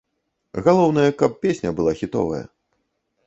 Галоўнае, каб песня была хітовая.